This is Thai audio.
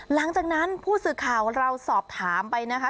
หลังจากนั้นผู้สื่อข่าวเราสอบถามไปนะคะ